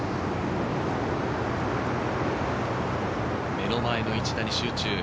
目の前の一打に集中。